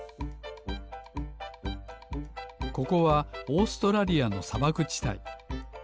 ここはオーストラリアのさばくちたい。